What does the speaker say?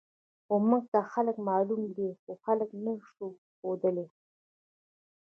خو موږ ته خلک معلوم دي، خو خلک نه شو ښودلی.